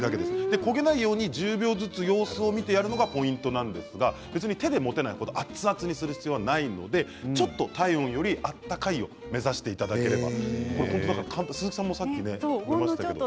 焦げないように１０秒ずつ様子を見てやるのがポイントなんですけど手で持てない程、熱々にする必要がないので、ちょっと体温より温かいを目指していただければそうです。